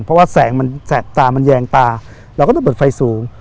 เพราะว่าแสงมันแสงตามันแยงตาเราก็ต้องเปิดไฟสูง